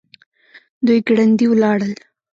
دوی ګړندي ولاړل.